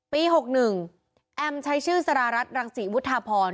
๖๑แอมใช้ชื่อสารรัฐรังศรีวุฒาพร